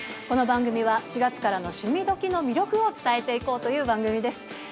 この番組は４月からの「趣味どきっ！」の魅力を伝えていこうという番組です。